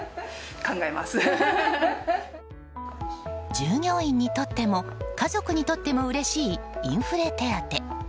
従業員にとっても家族にとってもうれしいインフレ手当。